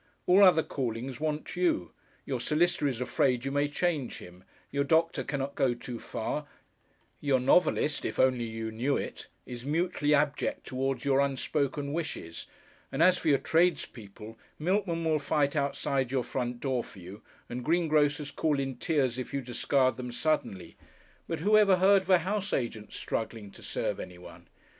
All other callings want you; your solicitor is afraid you may change him, your doctor cannot go too far, your novelist if only you knew it is mutely abject towards your unspoken wishes and as for your tradespeople, milkmen will fight outside your front door for you, and green grocers call in tears if you discard them suddenly; but who ever heard of a house agent struggling to serve anyone?